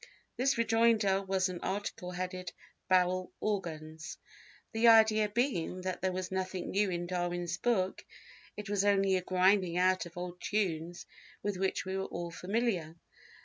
This rejoinder was an article headed "Barrel Organs," the idea being that there was nothing new in Darwin's book, it was only a grinding out of old tunes with which we were all familiar.